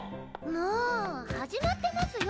もー始まってますよ